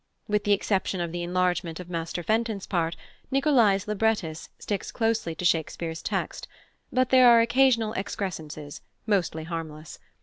With the exception of the enlargement of Master Fenton's part, Nicolai's librettist sticks closely to Shakespeare's text; but there are occasional excrescences, mostly harmless.